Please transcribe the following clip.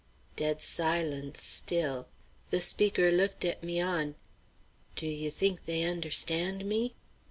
Dead silence still. The speaker looked at 'Mian. "Do you think they understand me?"